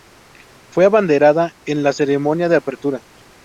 Fue abanderada en la ceremonia de apertura.